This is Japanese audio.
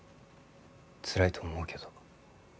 つらいと思うけど。